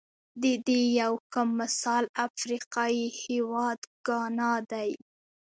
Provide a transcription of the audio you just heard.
د دې یو ښه مثال افریقايي هېواد ګانا دی.